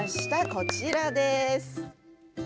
こちらです。